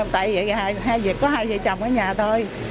tại vì có hai vợ chồng ở nhà thôi